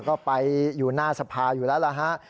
ก็ไปอยู่หน้าสภาอยู่แล้วล่ะฮะ